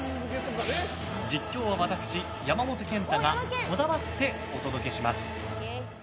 実況は私、山本賢太がこだわってお届けします。